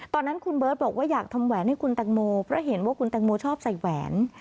ตอนนั้นคุณเบิร์ตบอกว่าอยากทำแหวนให้คุณแตงโมเพราะเห็นว่าคุณแตงโมชอบใส่แหวน